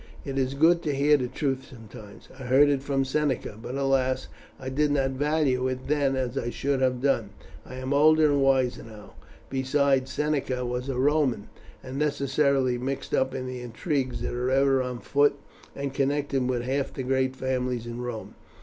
"It is good to hear the truth sometimes. I heard it from Seneca; but, alas! I did not value it then as I should have done. I am older and wiser now. Besides, Seneca was a Roman, and necessarily mixed up in the intrigues that are ever on foot, and connected with half the great families in Rome.